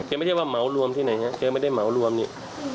เข้าไม่ได้ว่าเหมารวมที่ไหนครับเข้าไม่ได้เหมารวมนี่